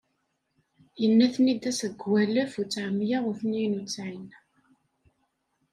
Yenna-ten-id ass deg walef uttɛemya u tniyen u ttɛin.